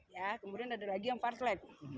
ya kemudian ada lagi yang partlet